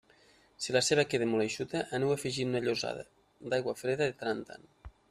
Si la ceba queda molt eixuta, aneu-hi afegint una llossada d'aigua freda de tant en tant.